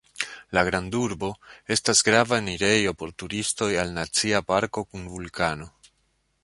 La grandurbo estas grava enirejo por turistoj al Nacia parko kun vulkano.